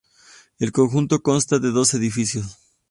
El conjunto consta de dos edificios.